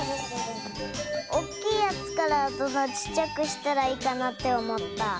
おっきいやつからどんどんちっちゃくしたらいいかなっておもった。